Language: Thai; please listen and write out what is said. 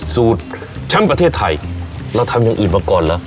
สูตรแชมป์ประเทศไทยเราทำอย่างอื่นมาก่อนเหรอ